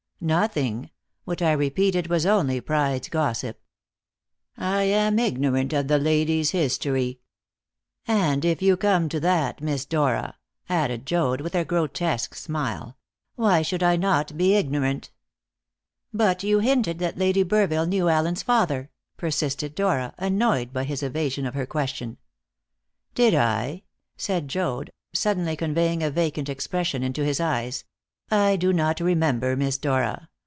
"Nothing. What I repeated was only Pride's gossip. I am ignorant of the lady's history. And if you come to that, Miss Dora," added Joad with a grotesque smile, "why should I not be ignorant?" "But you hinted that Lady Burville knew Allen's father," persisted Dora, annoyed by his evasion of her question. "Did I?" said Joad, suddenly conveying a vacant expression into his eyes. "I do not remember, Miss Dora.